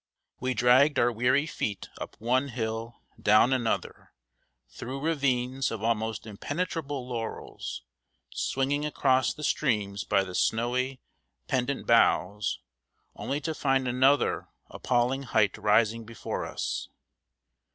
We dragged our weary feet up one hill, down another, through ravines of almost impenetrable laurels, swinging across the streams by the snowy, pendent boughs, only to find another appalling hight rising before us.